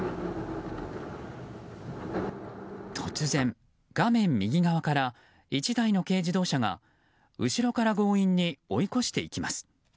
突然、画面右側から１台の軽自動車が後ろから強引に追い越していきます。